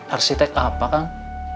arsitek apa kang